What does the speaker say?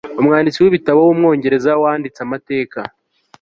umwanditsi w'ibitabo w'umwongereza wanditse amateka